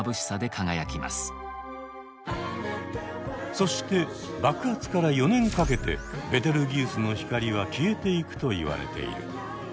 そして爆発から４年かけてベテルギウスの光は消えていくといわれている。